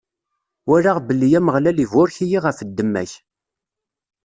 Walaɣ belli Ameɣlal iburek-iyi ɣef ddemma-k.